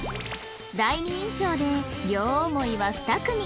第二印象で両思いは２組